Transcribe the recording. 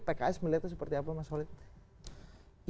pks melihatnya seperti apa mas walid